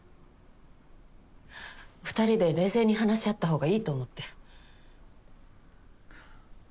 ２人で冷静に話し合った方がいいと思って。